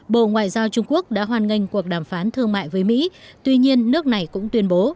bộ ngoại giao trung quốc đã hoan nghênh cuộc đàm phán thương mại với mỹ tuy nhiên nước này cũng tuyên bố